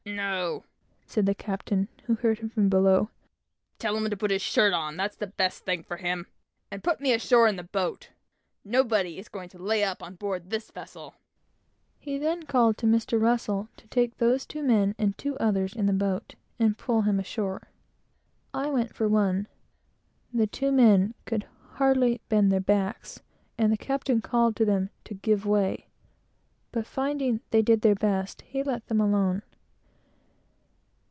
"No," said the captain, who heard him from below; "tell him to put his shirt on; that's the best thing for him; and pull me ashore in the boat. Nobody is going to lay up on board this vessel." He then called to Mr. Russell to take those men and two others in the boat, and pull him ashore. I went for one. The two men could hardly bend their backs, and the captain called to them to "give way," "give way!" but finding they did their best, he let them alone.